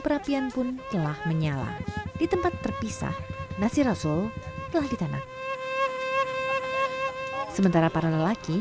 perapian pun telah menyala di tempat terpisah nasi rasul telah ditanam sementara para lelaki